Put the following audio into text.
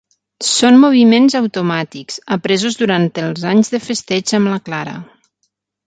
Són moviments automàtics, apresos durant els anys de festeig amb la Clara.